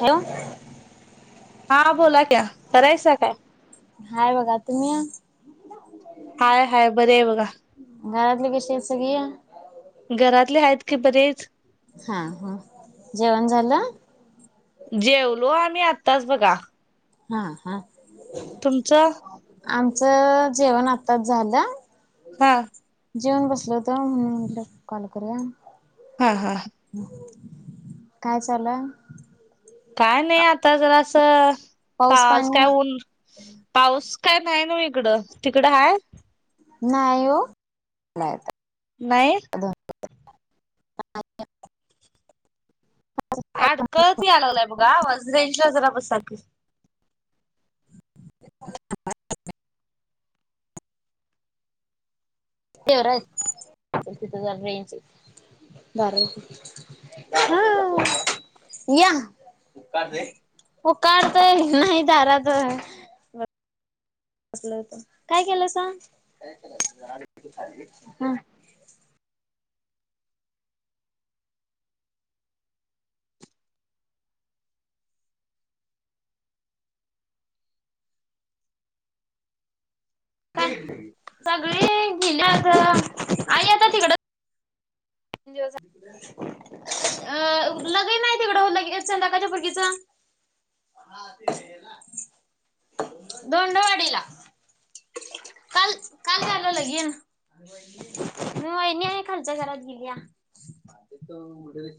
Hello! हा बोला क्या बरायसाया काय. हाय बघा तुम्ही. हाय हाय बरी आहे बघा. घरातली कशी आहेत सगळी? घरातली आहेत की बरी आहेत? हा हा जेवण झालं? जेवलो आम्ही आत्ताच बघा. हा हा. तुमचं? आमचं जेवण आताच झालं. हा. जेऊण बसलो होतो म्हणून म्हटलं कॉल करूया. हा हा. काय चालू हाय. काय नाही आता जरा असं पाऊस काय ऊन पाऊस काय नाही ना इकडं. तिकडं हाय? नाही ओ. नाही आता. नाही. अडकळत यायला लागलाय बघा आवाज रेंज ला जरा बसा की. [unintelligible] [unintelligible] तिथ जरा रेंज येते दारावरती ह या. पुकारतोय. नाही दारात. काय केलं सा [unintelligible] हा काय? सगळी गिल्यात. आई आता तिकडच तीन दिवस झा अ लगीनाय तिकड लगेच संध्याकाच्या पुरगीच. हा ते हेला. धोंडवाडीला. काल काल झालय लगीन. वईनी? वईनी हाय खालच्या घरात गेल्या. या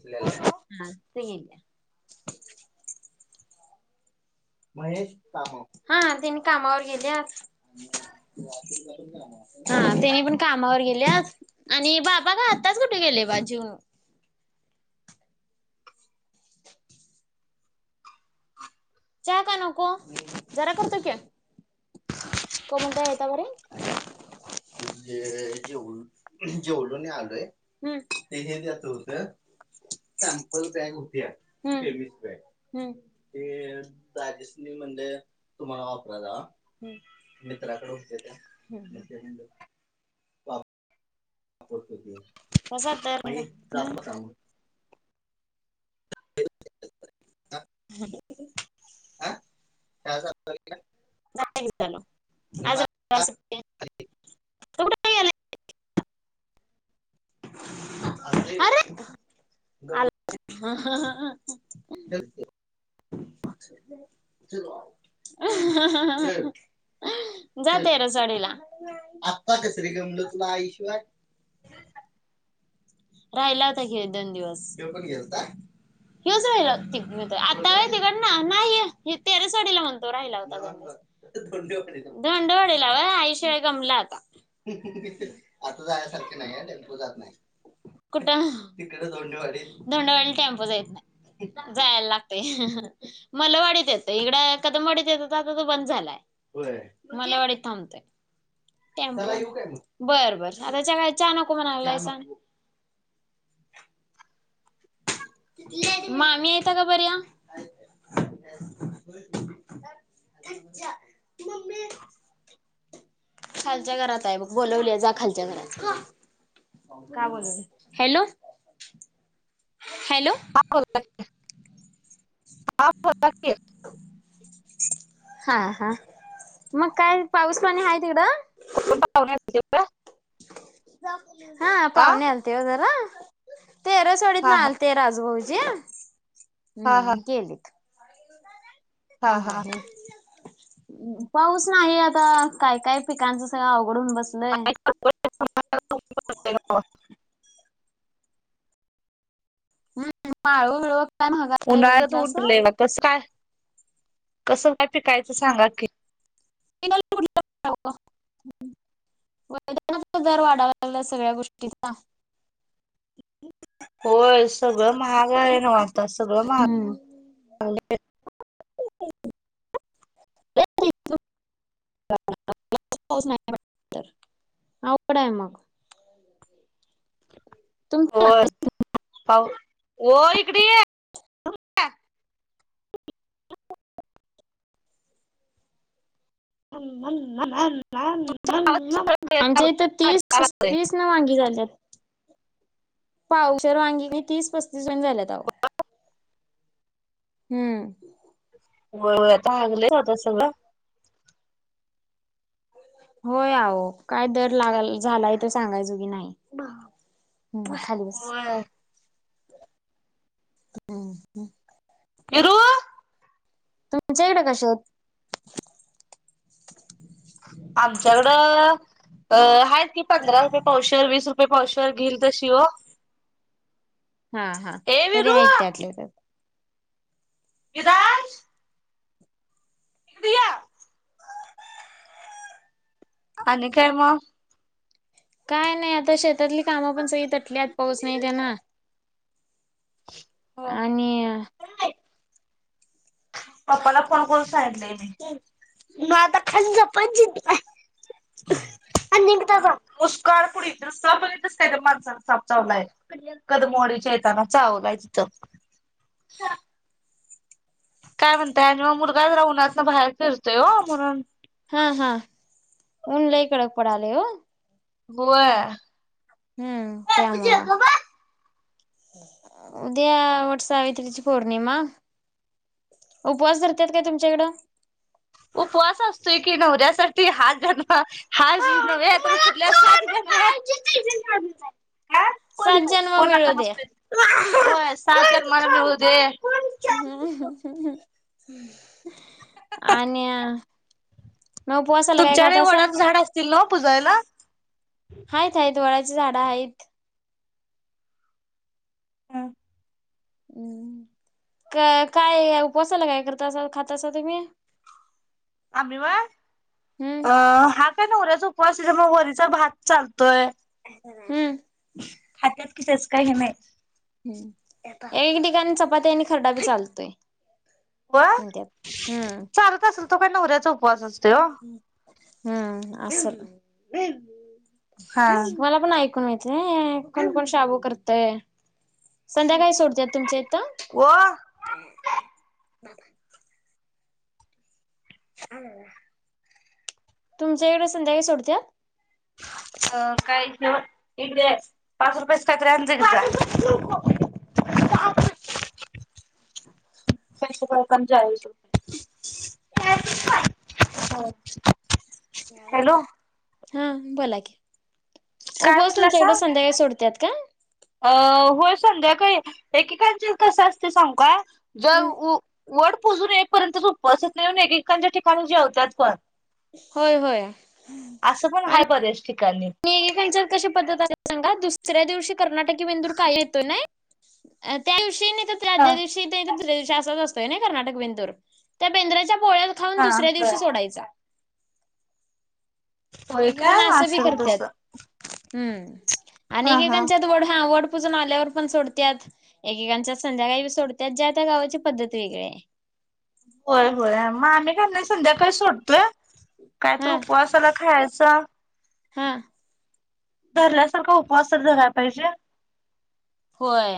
कोण ओ हा तिथ गेल्या. महेश कामवर. हा त्यांनी कामावर गेल्यात. हा त्यांनी पण कामावर गेल्यात आणि बाबा का आत्ताच कुठ गेले बा जीऊण. चहा का नको? जरा करतो की. सुमन ताई हायता बरी? ते जेवलो जेवलोय नी आलोय. हम्म. ते ही द्यायच होतं. सॅम्मल बॅग होत्या. तेवीस बॅग. हम्म. ते दाजीसनी म्हणलं. तुम्हाला वापरा जावा. हम्म. मित्राकड होत त्या. बसा तर. नाही जातो आता. [unintelligible] [unintelligible] आज कुठे गेला हा हा ह ह. चल की. [unintelligible] [unintelligible] हा हा हा ह जाते र साडीला. आता कस रे गमलं तुला आई शिवाय? [unintelligible] राहिला होता ह्योच दोन दिवस. ह्यो पण गेलता. हेऊच राहिल त आता तिकड ना नाहीय तेरसवाडीला म्हणतो राहिला होता. धोंडेवाडीला होय आई शिवाय गमला आता. आता जायसारखे नाईया टेम्पो जात नाय. कुठं? धोंडेवाडीला टॅम्पो जात जायत नाय. जायाला लागतय. मल्लवाडीत येतय हिकडं कदम वाडीत येतं हुत आता तो बंद झालाय. होय मल्लवाडीत थांबतय. चला येऊ काय मग? बर बर आताच्या काय चहा नको म्हणालायसां. मामी ए त्या का बऱ्या. खालच्या घरात हाय बग बोलवलीया जा खालच्या घरात. काय बोलावलय? Hello hello. हा बोला की हा बोला की. हा हा मग काय पाऊस पाणी हाय तिकडं? कोण पाहुणे [inaudible] हा आ पावणे आलते जरा तेरसवाडीतन हा हा आल ते राजुभाऊजी हा हम्म गेले. हा हा हम्. हा पाऊस नाही आता काय काय पिकांचं सगळं अवघड होऊन बस [inaudible] [unintelligible] हम् माळव बिळव काय महागाय लय बघितलासा? तस काय कसं काय पिकायचं सांगा की? [unintelligible] [inaudible] दर वाढायला लागलंय सगळ्या गोष्टीचा. होय सगळं महाग हाय नव आता सगळं हम्म महाग [inaudible] [unintelligible] [inaudible] अवघड हाय मग. तुम होय पाव, ओ इकडे ये. आमच्या इथं तीस तीस न वांगी झाल्यात. पावशेर वांगी तीस पस्तीस न झाल्यात आहो. हम्म. व्हय महागलयच आता सगळं. होय अहो काय दर लागल झालाय ते सांगायच बी नाय. हम् खाली बस होय हम्. येरु तुमच्या इकड काशी हायत? आमच्याकडं अ-हायत की पंधरा रुपये पावशेर वीस रुपये पावशेर घील तशी ओ. हा हा ए तरी विरू हायत त्याल्या त्यात. दीदा. इकड य. आणि काय म? काय नाय आता शेतातली कामं पण सगळी तटल्यात पाऊस नाय तेन. आणि पप्पाला फोन करून सांगितलंय मी. हम्म. मग आता खाली झोप मन दिदी ला [inaudible] आई निघतो ग. मुसकाड फोडीन साप बघितलास काय माणसाला साप चावलाय. कदमवाडी च्या येताना चावलाय तिथ. साप काय म्हणताय आणि मग? मुलगा जरा उन्हातन बाहेर फिरतोय ओ म्हणून हा हा ऊन लई कडक पडलाय ओ होय. हम्म त्यामुळं उद्या वटसावित्री ची पौर्णिमा उपवास धरत्यात काय तुमच्या इकड? उपवास असतोय की. नवऱ्यासाठी हा जन्म हाल [unintelligible] सात जन्म मिळू दे. नसतोय होय सात जन्माला मिळू दे. हुं हुं आणि मग उपवासाला काय तुमच्या कडे खातासा? वडाचं झाड असतील ना पुजायला? हाईत हाईत वडाची झाडं हाईत. हा. हम्म क काय उपसाला काय करता असं काय खा तासा तुम्ही? आम्ही होय. हम्म अ हा काय नवऱ्याचा उपवास त्याच्यामुळ मग वरीचा भात चालतोय. [unintelligible] खात्यात की तेच काय तेच काय हे नाय. एक ठिकाणी चपाती आणि खरडा बी चालतोय. व्हय म्हणत्यात. हम्म चालत असलं तो काय नवऱ्याचा उपवास असतोय ओ हम्म. असल हा मला पण ऐक होय काय? कोण -कोण शाबू करतय संध्याकाळी सोडत्यात तुमच्या इथं? ओ तुमच्या इकडं संध्याकाळी सोडत्यात? अ काय घेऊ? इकड यायचं. पाच रुपयाच काय तर आण जा की जा. [inaudible] [unintelligible] [unintelligible] हॅलो हा बोला की. काय उपवास तुमच्या इकडं म्हटलासा संध्याकाळी सोडत्यात काय? अ होय संध्याकाळी एकेकांचे त कसं असतय सांगू काय ज हम्म ऊ वड पूजन एक पर्यंत उपवास. तिथन येऊन एकेकांच्या ठिकाणी जेवतात पण. होय होय. असं पण आणि हाय बऱ्याच ठिकाणी. एकेकांच्यात कशी पद्धत असत्या सांगा दुसऱ्या दिवशी कर्नाटकी बेंदूर काय येतो नाही. त्या दिवशी नाही तर त्या् हा. आदल्या दिवशी ते दुसऱ्या दिवशी असाच असतोय नाही कर्नाटकी बेंदूर त्या बेंदराच्या पोळ्या खाऊन हा दुसऱ्या दिवशी होय सोडायचा. होय एक जण काय? असं बी असल करत्यात. तस. आणि हा एकेकांच्यात... वड... हा... वड पूजून आल्यावर पण सोडत्यात. एकेकांच्यात संध्याकाळी सोडत्यात... ज्या त्या गावाची पद्धत वेगळी ए. होय होय... मग आम्ही काय नाय... संध्याकाळी सोडतोया... काय तर हा उपवासाला खायचं. हा. धरल्यासारखा उपवास तर धरायला पाहिजे. होय...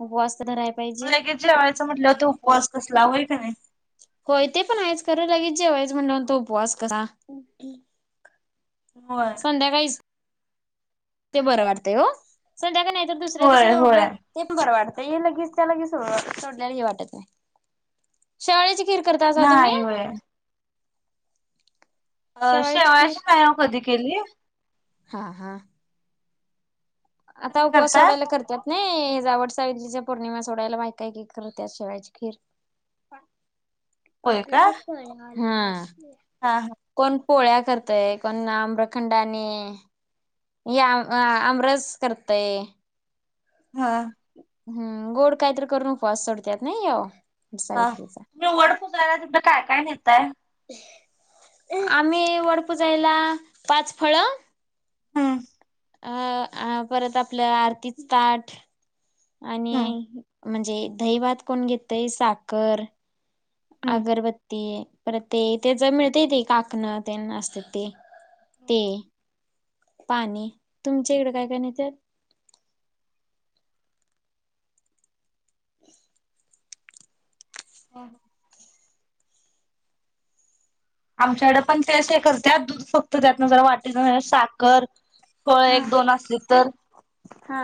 उपवास तर धरायला पाहिजे. लगेच जेवायचं म्हणल्यावर... तो उपवास कसला होईल होय का नाय? होय ते पण आहेच खरं... लगेच जेवायचं... म्हणल्यावर तो उपवास कसला? होय. संध्याकाळीच ते बरं वाटतंय ओ... संध्याकाळी... नाहीतर दुसऱ्या दिवशी होय होय सोडलं ते पण बरं वाटतंय... हे लगीचच्या लगीच... सोडल्यालं हे वाटत नाई. शेवाळ्याची खीर करतासा तुम्ही? नाही होय अं... शेवाळ्याची शेवयाची नाही हो कधी केली हां हां. आता तुम्ही उपवास करताय सोडायला करत्यात. नाई... जावड [unintelligible] पौर्णिमा सोडायला बायका एकेक करतात शेवायाची खीर. मग होय आपल्या का [unintelligible] हा. हा हा. कोण पोळ्या करतय... कोण आम्रखंड आणि या.. अम... आमरस करतय. हा. हम्म... गोड काईतरी करून उपवास सोडत्यात ना ह्यो? हा... सावित्रीचा तुम्ही वड पुजायला तिथं काय काय नेताय? आम्ही वर पुजायला पाच फळं हूं. अ... आ... परत आपलं.... आरतीचं ताट आणि हम्म म्हणजे... दहीभात कोण घेतय साखर हम्म अगरबत्ती परत ते... ते जे मिळतय ते... कापणं तेन असतं ते. ते... पाणी तुमच्या इकडं... काय काय नेत्यात? [unintelligible] [unintelligible] आमच्याकडं पण तेच हे करत्यात... दूध फक्त त्यातन जरा वाटीत... जरा साखर फळ हा एक दोन असली तर हा.